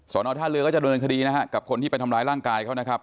นอท่าเรือก็จะโดนคดีนะฮะกับคนที่ไปทำร้ายร่างกายเขานะครับ